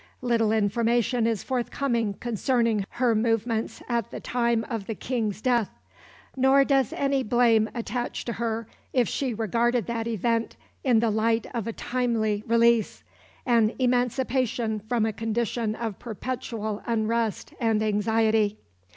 Little information is forthcoming concerning her movements at the time of the King's death; nor does any blame attach to her if she regarded that event in the light of a timely release, an emancipation from a condition of perpetual unrest and anxiety.